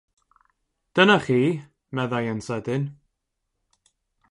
“Dyna chi!” meddai yn sydyn.